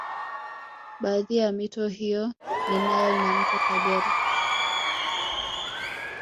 Baadhi ya mito hiyo ni Nile na mto Kagera